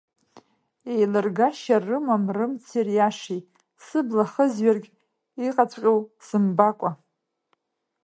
Еилыргашьа рымам рымци риашеи, сыбла хызҩаргь, иҟаҵәҟьоу сымбакәа!